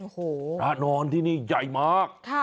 โอ้โหพระนอนที่นี่ใหญ่มาก